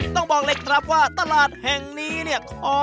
ต้องบอกเล็กทรัพย์ว่าตลาดแห่งนี้นี่